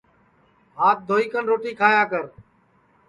ہات دھوئی کن روٹی کھایا کر